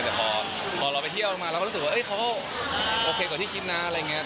แต่พอเราไปเที่ยวมาเราก็รู้สึกว่าเขาโอเคกว่าที่คิดนะอะไรอย่างนี้